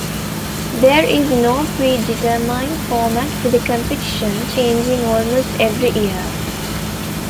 There is no predetermined format for the competition, changing almost every year.